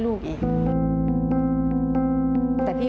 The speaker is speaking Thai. คุณแม่คนนี้